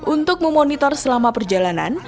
untuk memonitor selama perjalanan